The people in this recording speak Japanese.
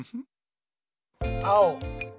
あお！